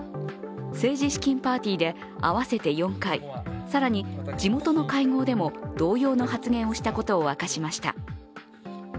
政治資金パーティーで合わせて４回更に地元の会合でも同様の発言をしたことを明かしました。